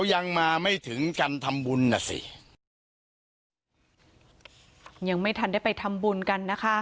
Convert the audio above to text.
ยังไม่ทันได้ไปทำบุญกันนะคะ